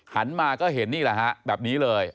หันมาก็เห็นนี่แหละฮะแบบนี้เลย